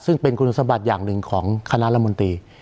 ซึ่งเป็นคุณสมบัติอย่างหนึ่งของคณะรัฐมนตรี